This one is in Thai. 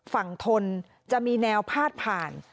ฝั่งทลจะมีแนวพาดผ่าน